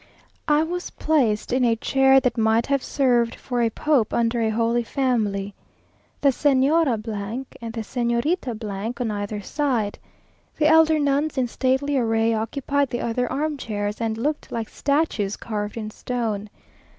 I was placed in a chair that might have served for a pope under a holy family; the Señora and the Señorita on either side. The elder nuns in stately array, occupied the other arm chairs, and looked like statues carved in stone.